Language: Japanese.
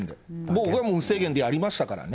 僕はもう無制限でやりましたからね。